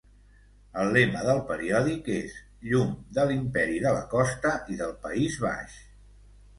El lema del periòdic és "Llum de l'Imperi de la costa i del País baix".